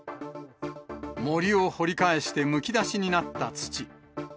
森を掘り返してむき出しになった土。